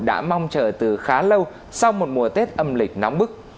đã mong chờ từ khá lâu sau một mùa tết âm lịch nóng bức